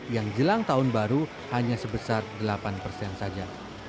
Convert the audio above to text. yang jelang tahun baru hanya sebesar delapan persen saja